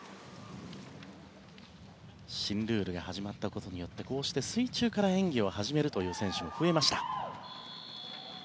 新ルールが始まったことによってこうして水中から演技を始めるという選手も増えました。